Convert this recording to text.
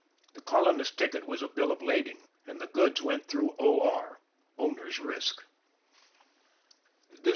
The colonist ticket was a bill of lading, and the " goods " went through " O. R.," owner's risk.